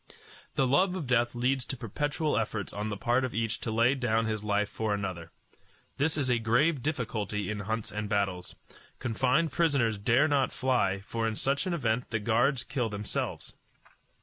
The love of death leads to perpetual efforts on the part of each to lay down his life for another. This is a grave difficulty in hunts and battles. Confined prisoners dare not fly, for in such an event the guards kill themselves.